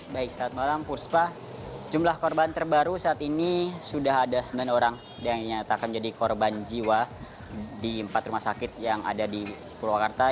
baik selamat malam puspa jumlah korban terbaru saat ini sudah ada sembilan orang yang nyatakan menjadi korban jiwa di empat rumah sakit yang ada di purwakarta